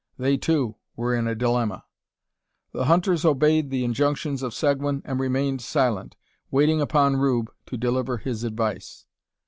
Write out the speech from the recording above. They, too, were in a dilemma. The hunters obeyed the injunctions of Seguin, and remained silent, waiting upon Rube to deliver his advice.